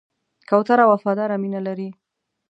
کوتره وفاداره مینه لري.